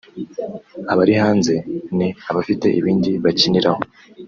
abari hanze ni abafite ibindi bakiniraho